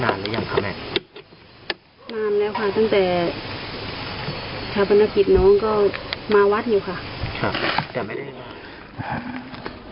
ตอนที่คุณพ่อคุณแม่จุดทูป